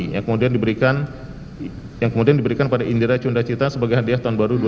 yang kemudian diberikan pada indira cundacita sebagai hadiah tahun baru dua ribu dua puluh tiga